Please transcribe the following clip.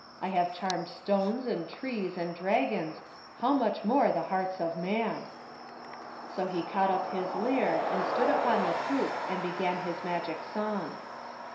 I have charmed stones, and trees, and dragons, how much more the hearts of man!" So he caught up his lyre, and stood upon the poop, and began his magic song.